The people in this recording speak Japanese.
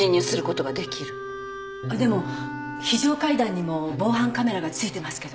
でも非常階段にも防犯カメラが付いてますけど。